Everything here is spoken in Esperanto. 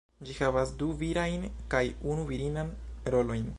Ĝi havas du virajn kaj unu virinan rolojn.